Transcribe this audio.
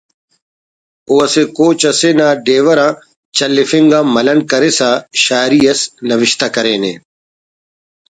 او اسہ کوچ اسے نا ڈیور نا چلیفنگ آ ملنڈ کرسا شاعری اس نوشتہ کرینے: